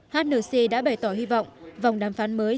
hnc đã bày tỏ hy vọng vòng đàm phán mới